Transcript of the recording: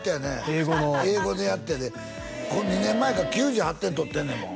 英語の英語のやってやで２年前か９８点取ってんねんもん